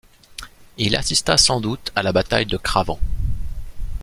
Il assista sans doute à la bataille de Cravant.